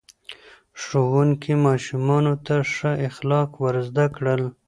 ښوونکي ماشومانو ته ښه اخلاق ور زده کړل.